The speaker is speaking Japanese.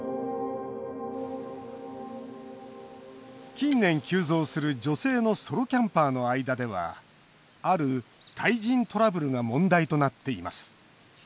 近年、急増する女性のソロキャンパーの間ではある対人トラブルが問題となっています。